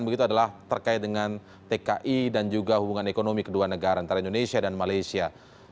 begitu adalah terkait dengan tki dan juga hubungan ekonomi kedua negara antara indonesia dan malaysia